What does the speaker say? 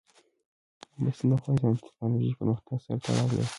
آمو سیند د افغانستان د تکنالوژۍ پرمختګ سره تړاو لري.